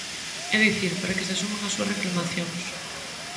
É dicir, para que se asuman as súas reclamacións.